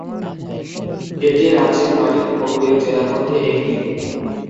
এটি রাজ্যের নয়টি উপকূলীয় জেলার মধ্যে একটি।